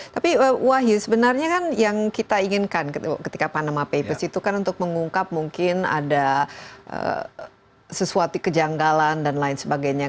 tapi wahyu sebenarnya kan yang kita inginkan ketika panama papers itu kan untuk mengungkap mungkin ada sesuatu kejanggalan dan lain sebagainya